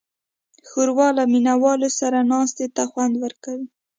ښوروا له مینهوالو سره ناستې ته خوند ورکوي.